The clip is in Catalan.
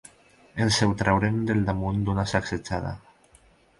Ens ho traurem del damunt d'una sacsejada.